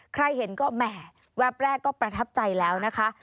ใครเห็นก็แหมแวบแรกก็ประทับใจแล้วนะคะ